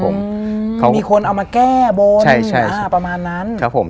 มีคนเอามาแก้บนประมาณนั้น